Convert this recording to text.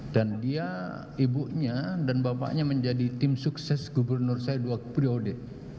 dan dia ibunya dan bapaknya menjadi tim sukses gubernur saya dua periode